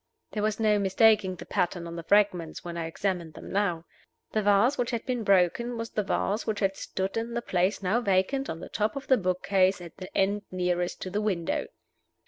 There was no mistaking the pattern on the fragments when I examined them now. The vase which had been broken was the vase which had stood in the place now vacant on the top of the book case at the end nearest to the window.